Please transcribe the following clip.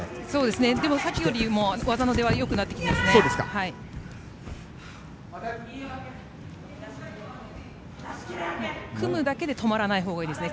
でも、さっきよりも技の出はよくなっていますね。